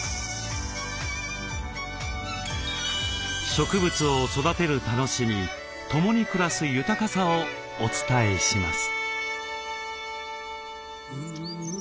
植物を育てる楽しみ共に暮らす豊かさをお伝えします。